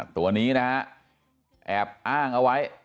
ตัวนี้นะฮะแอบอ้างเอาไว้